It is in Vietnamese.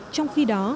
trong khi đó